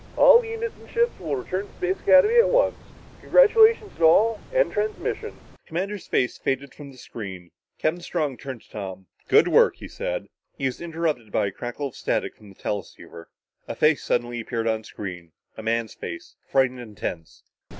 All units and ships will return to Space Academy at once. Congratulations to all and end transmission." The commander's face faded from the screen. Captain Strong turned to Tom. "Good work," he said. He was interrupted by a crackle of static from the teleceiver. A face suddenly appeared on the screen a man's face, frightened and tense.